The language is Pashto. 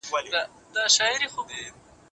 که اوښ وي نو دښته نه پاتیږي.